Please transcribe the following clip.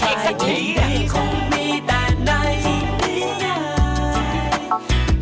เงินผู้ชายดีคงมีแต่ในอีกนิยาย